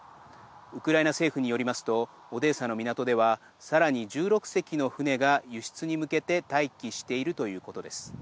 ウクライナ政府によりますとオデーサの港ではさらに１６隻の船が輸出に向けて待機しているということです。